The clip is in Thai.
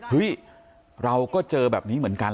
เฮ้ยเราก็เจอแบบนี้เหมือนกัน